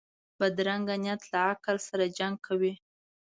بدرنګه نیت له عقل سره جنګ کوي